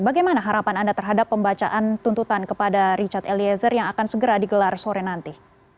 bagaimana harapan anda terhadap pembacaan tuntutan kepada richard eliezer yang akan segera digelar sore nanti